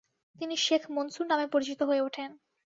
তিনি শেখ মনসুর নামে পরিচিত হয়ে উঠেন।